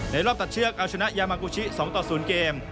ในรอบตัดเชื้อกเอาชนะยามัคกูชี้๒๐เกม